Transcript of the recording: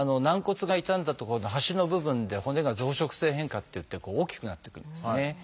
軟骨が傷んだ所の端の部分で骨が「増殖性変化」っていって大きくなってくるんですね。